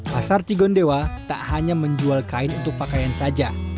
pasar cigondewa tak hanya menjual kain untuk pakaian saja